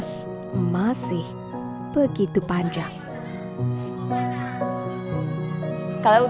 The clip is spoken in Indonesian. namun putu tak cepat berpuas diri perjuangan menjadi teman umat dan pemberanian setelah menapisnya ke rumah mereka